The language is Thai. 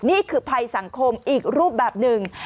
นี่คือภัยสังคมอีกรูปแบบหนึ่ง